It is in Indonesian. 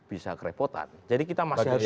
bisa kerepotan jadi kita masih bisa